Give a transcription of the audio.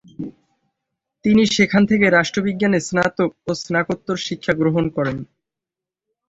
তিনি সেখান থেকে রাষ্ট্রবিজ্ঞানে স্নাতক ও স্নাতকোত্তর শিক্ষা গ্রহণ করেন।